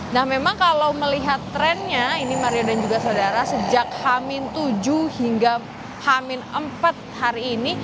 nah memang kalau melihat trennya ini mario dan juga saudara sejak hamin tujuh hingga hamin empat hari ini